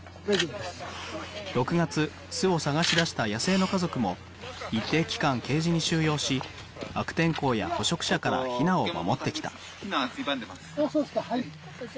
６月巣を探し出した野生の家族も一定期間ケージに収容し悪天候や捕食者からひなを守ってきた。